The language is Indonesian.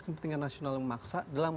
kepentingan nasional memaksa dalam